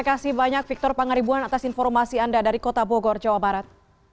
terima kasih banyak victor pangaribuan atas informasi anda dari kota bogor jawa barat